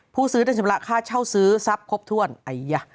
ผู้ซื้อทางชมระค่าเช่าสือสับครบถ้วนอัยยะ